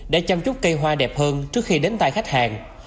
để chăm chúc cây hoa đẹp hơn trước khi đến tay khách hàng